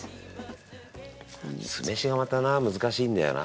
酢飯がまたな難しいんだよな。